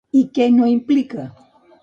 I què no implica?